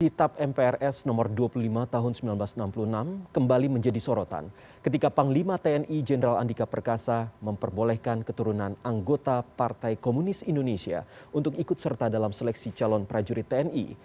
kitab mprs nomor dua puluh lima tahun seribu sembilan ratus enam puluh enam kembali menjadi sorotan ketika panglima tni jenderal andika perkasa memperbolehkan keturunan anggota partai komunis indonesia untuk ikut serta dalam seleksi calon prajurit tni